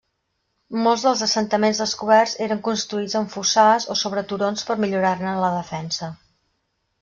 Molts dels assentaments descoberts eren construïts en fossars o sobre turons per millorar-ne la defensa.